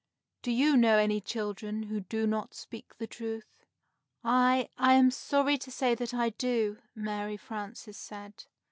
Do you know any children who do not speak the truth?" "I I am sorry to say that I do," Mary Frances said.